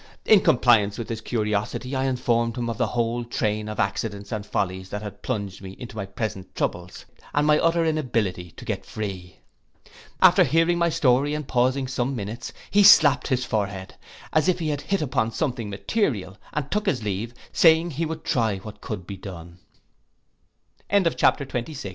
In compliance with his curiosity, I informed him of the whole train of accidents and follies that had plunged me into my present troubles, and my utter inability to get free. After hearing my story, and pausing some minutes, he slapt his forehead, as if he had hit upon something material, and took his leave, saying he would try wh